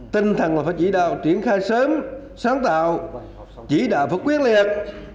tinh thần là phải chỉ đạo triển khai sớm sáng tạo chỉ đạo và quyết liệt